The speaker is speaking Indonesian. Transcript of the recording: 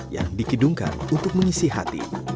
yang dikidungkan untuk mengisi hati